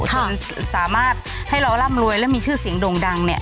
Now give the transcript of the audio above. จนสามารถให้เราร่ำรวยและมีชื่อเสียงโด่งดังเนี่ย